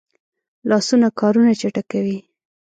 لاسونه کارونه چټکوي